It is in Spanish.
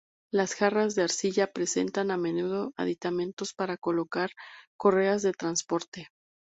Las jarras de arcilla presentan a menudo aditamentos para colocar correas de transporte.